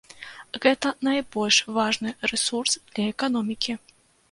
Гэта найбольш важны рэсурс для эканомікі.